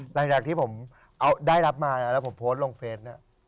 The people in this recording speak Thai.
หลังจากที่ผมได้รับมาแล้วผมโพสต์ลงเฟสเนี่ย